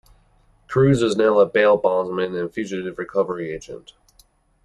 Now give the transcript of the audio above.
Cruz is now a bail bondsman and fugitive recovery agent.